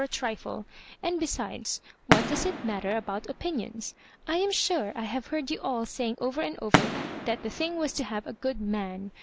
a trifle ; and besides, what does it matter about opinions ? I am sure J have heard you all saying over and over that the thing was to have a good man.